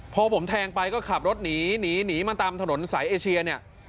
พอผมแทงไปก็ขับรถหนีหนีมาตามถนนสายเอเชียเนี่ย